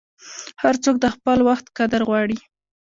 هر څوک د خپل وخت قدر غواړي.